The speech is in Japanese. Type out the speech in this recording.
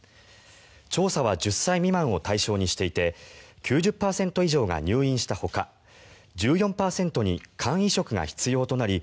調査は１０歳未満を対象にしていて９０％以上が入院したほか１４％に肝移植が必要となり